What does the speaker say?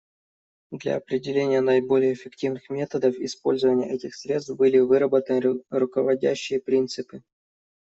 Для определения наиболее эффективных методов использования этих средств были выработаны руководящие принципы.